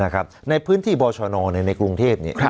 นะครับในพื้นที่บอชนเนี่ยในกรุงเทพเนี่ยครับ